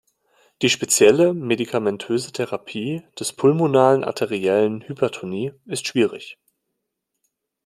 Die spezielle medikamentöse Therapie des pulmonalen arteriellen Hypertonie ist schwierig.